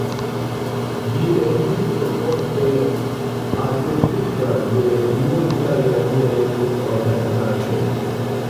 Ĝi estis poste adoptita de multaj aliaj organizaĵoj.